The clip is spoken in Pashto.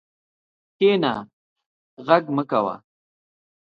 کښېنه، غږ مه کوه.